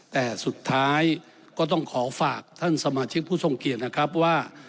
แต่สุดท้ายก็ต้องขอฝากท่านสมาชิกผู้ทรงเกียจนะครับว่า